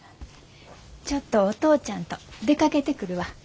ちょっとお父ちゃんと出かけてくるわ。